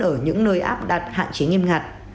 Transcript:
ở những nơi áp đặt hạn chế nghiêm ngặt